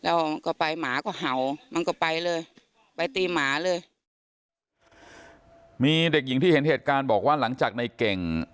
แล้วก็ไปหมาก็เห่ามันก็ไปเลยไปตีหมาเลยมีเด็กหญิงที่เห็นเหตุการณ์บอกว่าหลังจากในเก่ง